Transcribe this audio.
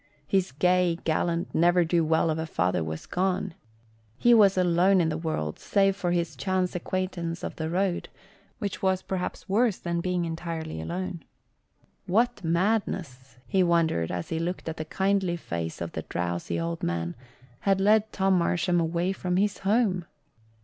His gay, gallant ne'er do weel of a father was gone. He was alone in the world save for his chance acquaintance of the road, which was perhaps worse than being entirely alone. What madness he wondered as he looked at the kindly face of the drowsy old man had led Tom Marsham away from his home?